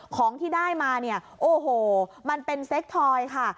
ของที่ได้มาเนี่ยโอ้โหมันเป็นเซ็กทอยค่ะ